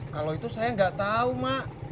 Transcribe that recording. kalau itu saya nggak tahu mak